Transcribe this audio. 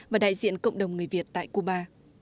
và đại diện cộng đồng người việt tại cuba